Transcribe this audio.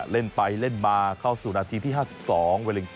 เล่นไปเล่นมาก็สูงนาทีที่ห้าสิบสอง